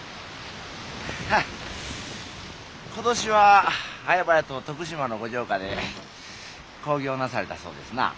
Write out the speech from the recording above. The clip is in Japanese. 今年ははやばやと徳島の御城下で興行なされたそうですな。